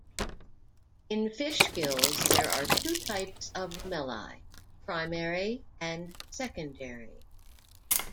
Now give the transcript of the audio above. In fish gills there are two types of lamellae, primary and secondary.